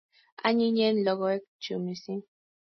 Anyinyen logoek chu missing'